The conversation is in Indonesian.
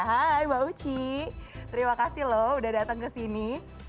hai mbak uci terima kasih loh sudah datang ke sini